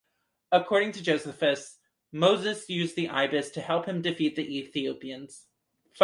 According to Josephus, Moses used the ibis to help him defeat the Ethiopians.